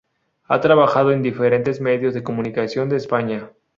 Ha trabajado en diferentes medios de comunicación de España.